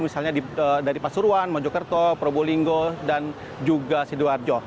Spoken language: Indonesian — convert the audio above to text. misalnya dari pasuruan mojokerto probolinggo dan juga sidoarjo